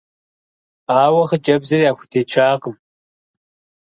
Ауэ хъыджэбзыр яхутечакъым.